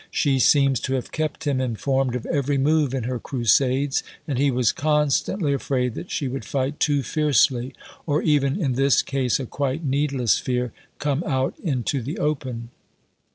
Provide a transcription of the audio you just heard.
She seems to have kept him informed of every move in her crusades, and he was constantly afraid that she would fight too fiercely or even (in this case a quite needless fear) come out into the open.